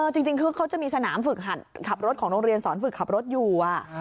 จริงคือเขาจะมีสนามฝึกหัดขับรถของโรงเรียนสอนฝึกขับรถอยู่